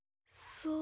そう！